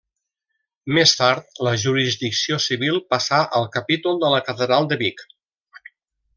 Més tard la jurisdicció civil passà al capítol de la catedral de Vic.